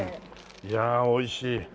いやおいしい。